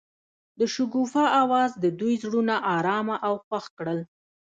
د شګوفه اواز د دوی زړونه ارامه او خوښ کړل.